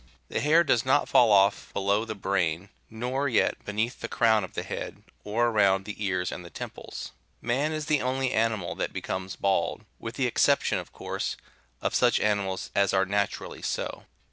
83 The hair does not fall off below the brain, nor yet beneath the crown of the head, or around the ears and the temples. Man is the only animal that becomes bald, with the exception, of course, of such animals as are naturally so.